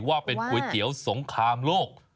ว่าเป็นก๋วยเตี๋ยวสงครามโลก